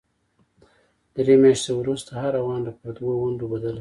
درې میاشتې وروسته هره ونډه پر دوو ونډو بدله شوه.